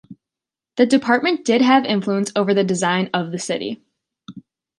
The department did have influence over the design of the city.